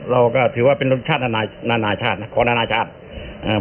เราก็ถือว่าเป็นรสชาติอนานาชาตินะของนานาชาติเอ่อ